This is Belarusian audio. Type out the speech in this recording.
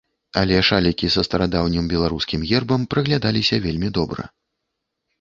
Але шалікі са старадаўнім беларускім гербам праглядаліся вельмі добра.